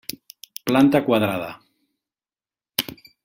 Planta quadrada.